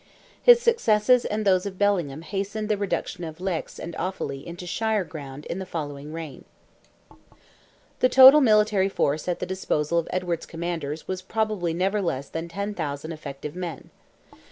His successes and those of Bellingham hastened the reduction of Leix and Offally into shire ground in the following reign. The total military force at the disposal of Edward's commanders was probably never less than 10,000 effective men.